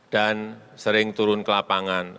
dan sering turun ke lapangan